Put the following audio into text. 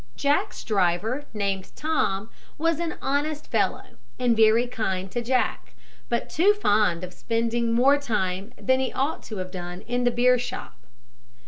Jack's driver, named Tom, was an honest fellow, and very kind to Jack, but too fond of spending more time than he ought to have done in the beer shop.